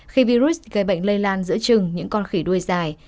khi virus gây bệnh lây lan giữa trừng những con khỉ đuôi dài